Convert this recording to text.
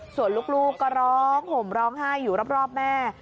ส่วนลูกก็ร้องห่มร้องไห้อยู่รอบแม่